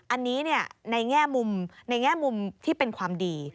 อันนี้ในแง่มุมที่เป็นความดี